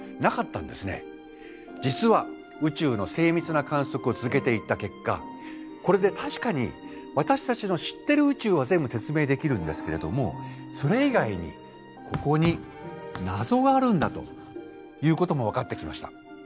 実は宇宙の精密な観測を続けていった結果これで確かに私たちの知ってる宇宙は全部説明できるんですけれどもそれ以外にここに謎があるんだということも分かってきました。